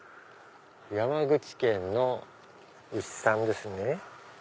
山口県の牛さんですね。